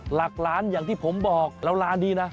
หลักล้านอย่างที่ผมบอกแล้วร้านนี้นะ